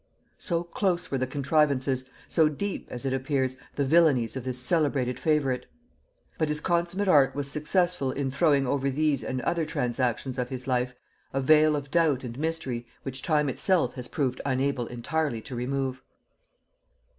So close were the contrivances, so deep, as it appears, the villanies of this celebrated favorite! But his consummate art was successful in throwing over these and other transactions of his life, a veil of doubt and mystery which time itself has proved unable entirely to remove.